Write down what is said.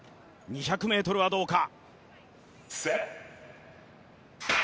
２００ｍはどうか。